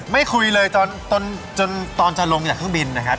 ไม่คุยเลยตอนจนตอนจะลงจากเครื่องบินนะครับ